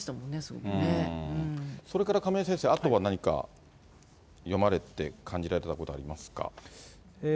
それから亀井先生、あとは何か、読まれて感じられたことありますか。